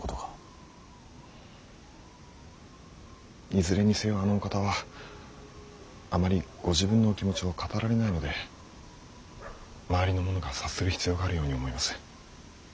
いずれにせよあのお方はあまりご自分のお気持ちを語られないので周りの者が察する必要があるように思います。